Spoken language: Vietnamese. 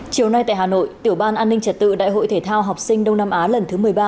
chiều nay tại hà nội tiểu ban an ninh trật tự đại hội thể thao học sinh đông nam á lần thứ một mươi ba